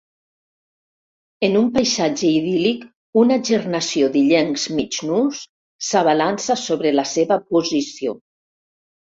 En un paisatge idíl·lic una gernació d'illencs mig nus s'abalança sobre la seva posició.